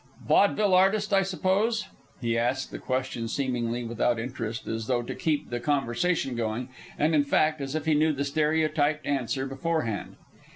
"Vaudeville artist, I suppose?" He asked the question seemingly without interest, as though to keep the conversation going, and, in fact, as if he knew the stereotyped answer beforehand.